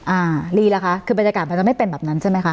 ลีล่ะคะคือบรรยากาศมันจะไม่เป็นแบบนั้นใช่ไหมคะ